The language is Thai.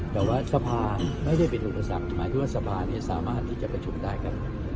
แต่ว่าสภาไม่ได้เป็นอุปสรรคหมายถึงว่าสภาสามารถที่จะประชุมได้ครับ